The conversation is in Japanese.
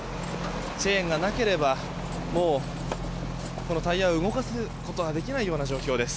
チェーンがなければもう、このタイヤを動かすことはできないような状況です。